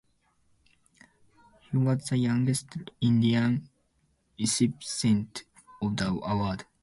He was the youngest Indian recipient of the award.